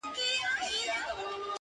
o ما خو دا ټوله شپه،